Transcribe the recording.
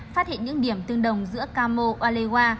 phát hiện những điểm tương đồng giữa camer walewa